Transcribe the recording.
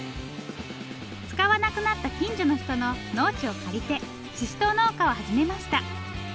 使わなくなった近所の人の農地を借りてししとう農家を始めました。